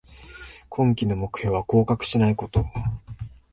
今季の目標は降格しないこと